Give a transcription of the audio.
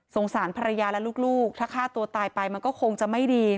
สารภรรยาและลูกถ้าฆ่าตัวตายไปมันก็คงจะไม่ดี